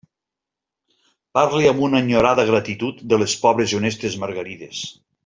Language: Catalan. Parle amb una enyorada gratitud de les pobres i honestes margarides.